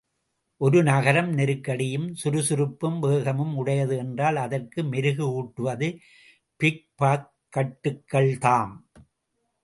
ஒரு நகரம் நெருக்கடியும் சுருசுருப்பும் வேகமும் உடையது என்றால் அதற்கு மெருகு ஊட்டுவது பிக்பாக்கட்டுகள்தாம்.